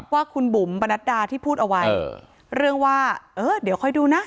ว่าคุณบุ๋มปนัดดาที่พูดเอาไว้เรื่องว่าเออเดี๋ยวค่อยดูนะ